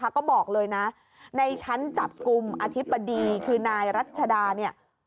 ก็บอกเลยนะในชั้นจับกลุ่มอธิบดีคือนายรัชดาเนี่ย